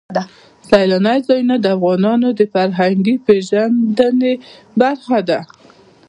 سیلانی ځایونه د افغانانو د فرهنګي پیژندنې برخه ده.